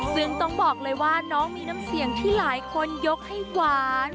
ซึ่งต้องบอกเลยว่าน้องมีน้ำเสียงที่หลายคนยกให้หวาน